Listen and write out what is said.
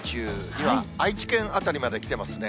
今、愛知県辺りに来てますね。